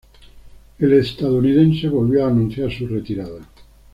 El estadounidense volvió a anunciar su retirada.